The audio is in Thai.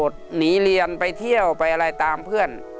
หนีเรียนไปเที่ยวไปอะไรตามเพื่อน